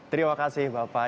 terima kasih bapak